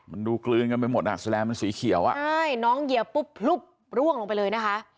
มันดูกลืนกันไปหมดอ่ะแสลมมันสีเขียวอ่ะใช่น้องเหยียบปุ๊บพลุบร่วงลงไปเลยนะคะ